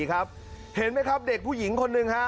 เห็นไหมครับเด็กผู้หญิงคนหนึ่งฮะ